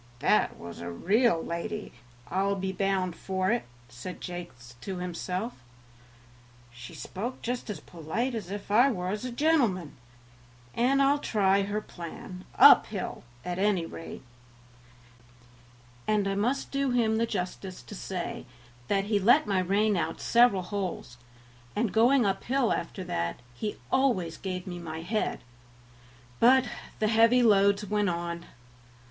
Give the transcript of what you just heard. "That was a real lady, I'll be bound for it," said Jakes to himself; "she spoke just as polite as if I was a gentleman, and I'll try her plan, uphill, at any rate;" and I must do him the justice to say that he let my rein out several holes, and going uphill after that, he always gave me my head; but the heavy loads went on.